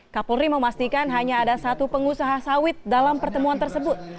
kapolri memastikan hanya ada satu pengusaha sawit dalam pertemuan tersebut